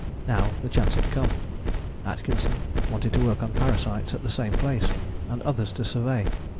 Now the chance had come. Atkinson wanted to work on parasites at the same place, and others to survey.